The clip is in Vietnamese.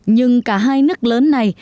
nhưng cả hai nước lớn này